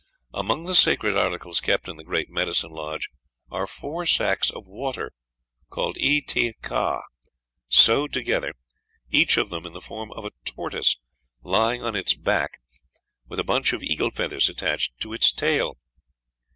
"' Among the sacred articles kept in the great medicine lodge are four sacks of water, called Eeh teeh ka, sewed together, each of them in the form of a tortoise lying on its back, with a bunch of eagle feathers attached to its tail.